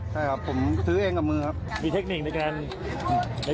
ใช่ครับผมซื้อเองกับมือครับมีเทคนิคในการ